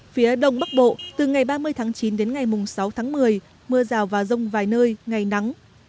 phía đông bắc bộ từ ngày ba mươi tháng chín đến ngày mùng sáu tháng một mươi mưa rào và rông vài nơi ngày nắng